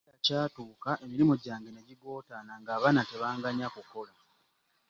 Ekiseera kyatuuka emirimu gyange ne gigootaana ng'abaana tebanganya kukola.